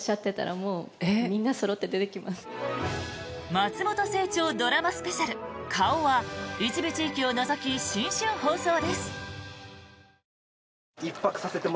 松本清張ドラマスペシャル「顔」は一部地域を除き、新春放送です。